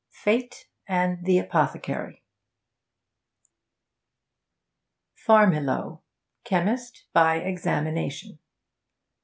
FATE AND THE APOTHECARY 'Farmiloe. Chemist by Examination.'